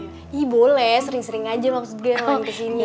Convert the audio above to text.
iya boleh sering sering aja maksud gue main ke sini